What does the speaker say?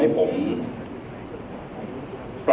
ขอบคุณครับ